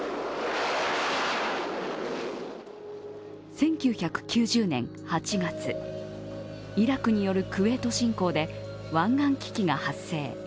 １９９０年８月、イラクによるクウェート侵攻で湾岸危機が発生。